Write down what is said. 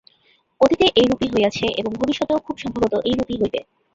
অতীতে এইরূপই হইয়াছে এবং ভবিষ্যতেও খুব সম্ভবত এইরূপই হইবে।